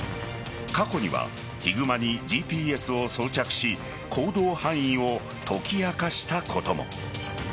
過去にはヒグマにＧＰＳを装着し行動範囲を解き明かしたことも。